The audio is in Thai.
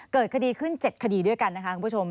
เกิดคดีขึ้น๗คดีด้วยกันนะคะคุณผู้ชม